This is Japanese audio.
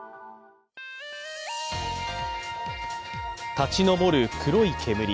立ち上る黒い煙。